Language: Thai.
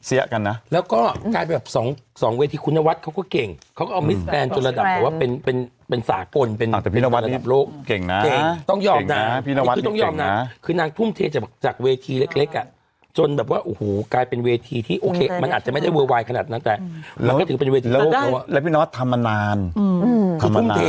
อิงฟ้าก็ได้ลองหนึ่งมาก็ปังนะแม่เพราะว่าตอนไปก็ปังมาก